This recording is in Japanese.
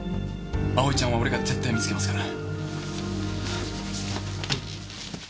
蒼ちゃんは俺が絶対見つけますから。